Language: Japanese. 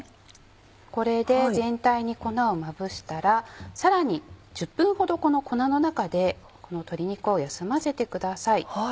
これで全体に粉をまぶしたらさらに１０分ほどこの粉の中で鶏肉を休ませてください。